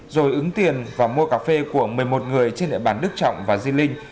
rồi ứng tiền và mua cà phê của một mươi một người trên địa bàn đức trọng và di linh